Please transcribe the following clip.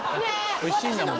おいしいんだもん。